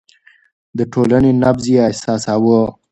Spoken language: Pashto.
د ټولنې نبض يې احساساوه.